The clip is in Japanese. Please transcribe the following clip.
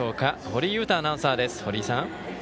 堀井優太アナウンサーです。